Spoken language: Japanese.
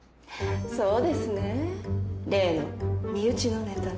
そうですね例の身内のネタで。